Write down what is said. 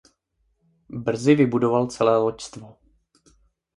Brzy vybudoval celé loďstvo.